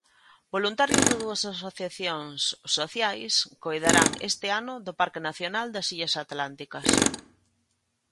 Voluntarios de dúas asociacións sociais coidarán este ano do Parque Nacional das Illas Atlánticas.